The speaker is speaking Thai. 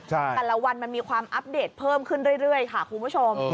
แต่ละวันมันมีความอัปเดตเพิ่มขึ้นเรื่อยค่ะคุณผู้ชม